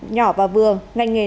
nhỏ và vừa ngành nghề năng lực